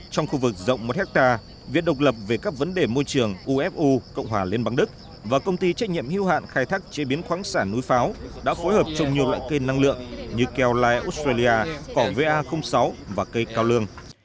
trong khu vực rộng một hectare viện độc lập về các vấn đề môi trường ufu cộng hòa liên bang đức và công ty trách nhiệm hưu hạn khai thác chế biến khoáng sản núi pháo đã phối hợp trồng nhiều loại cây năng lượng như keo lai australia cỏ va sáu và cây cao lương